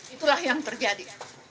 itulah yang terjadi